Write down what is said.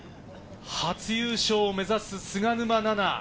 初優勝を目指す菅沼菜々。